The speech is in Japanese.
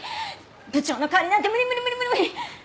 部長の代わりなんて無理無理無理無理無理！